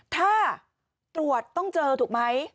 ถ้าตรวจต้องเจอถูกไหม